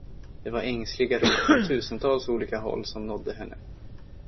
Det var ängsliga rop från tusentals olika håll som nådde henne.